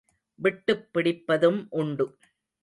விட்டுப் பிடிப்பதும் உண்டு.